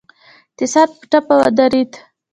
اقتصاد په ټپه ودرید.